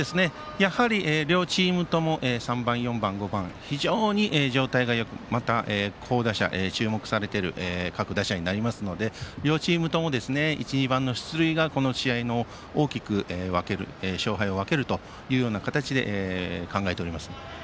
両チームとも３番、４番、５番非常に状態がよく好打者、また注目されている各打者になりますので両チームとも１、２番の出塁がこの試合の勝敗を大きく分けると考えております。